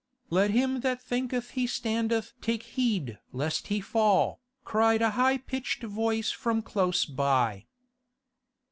'Let him that thinketh he standeth take heed lest he fall,' cried a high pitched voice from close by.